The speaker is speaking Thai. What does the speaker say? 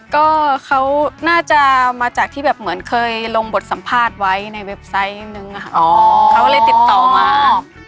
ก็เขาน่าจะมาจากที่แบบเหมือนเคยลงบทสัมภาษณ์ไว้ในเว็บไซต์นึงอะค่ะเขาก็เลยติดต่อมา